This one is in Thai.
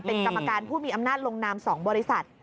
เป็นกรรมการผู้มีอำนาจลงนาม๒บริษัท